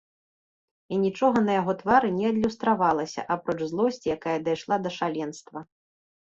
І нічога на яго твары не адлюстравалася, апроч злосці, якая дайшла да шаленства.